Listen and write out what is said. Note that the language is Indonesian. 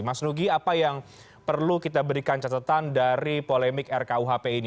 mas nugi apa yang perlu kita berikan catatan dari polemik rkuhp ini